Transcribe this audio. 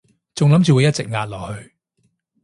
仲諗住會一直壓落去